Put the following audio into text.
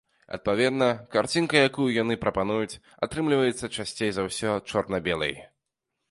Адпаведна, карцінка, якую яны прапануюць, атрымліваецца часцей за ўсё чорна-белай.